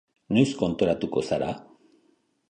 Noiz konturatuko zara?